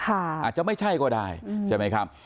อาจจะไม่ใช่ก็ได้ใช่ไหมครับ